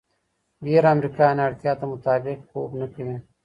ډېر امریکایان اړتیا ته مطابق خوب نه کوي.